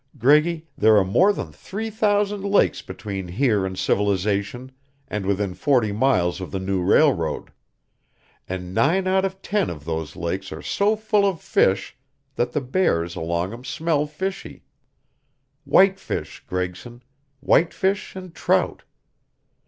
Greggy, there are more than three thousand lakes between here and civilization and within forty miles of the new railroad. And nine out of ten of those lakes are so full of fish that the bears along 'em smell fishy. Whitefish, Gregson whitefish and trout.